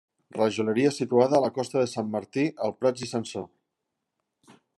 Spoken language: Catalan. Rajoleria situada a la Costa de Sant Martí al Prats i Sansor.